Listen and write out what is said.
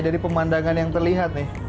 dari pemandangan yang terlihat nih